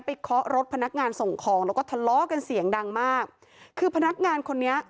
เคาะรถพนักงานส่งของแล้วก็ทะเลาะกันเสียงดังมากคือพนักงานคนนี้